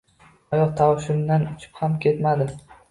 Oyoq tovushimdan uchib ham ketmadi.